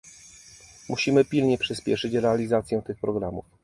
Musimy pilnie przyspieszyć realizację tych programów